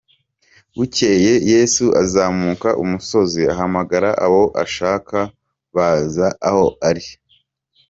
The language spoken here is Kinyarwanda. "Bukeye Yesu azamuka umusozi, ahamagara abo ashaka baza aho ari.